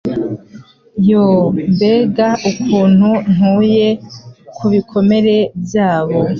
Yoo mbega ukuntu ntuye ku bikomere byabo